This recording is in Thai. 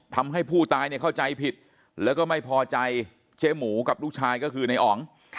ทำให้ผู้ตายเข้าใจผิดแล้วก็ไม่พอใจเจ๊หมูกับลูกชายก็คือในอ๋อง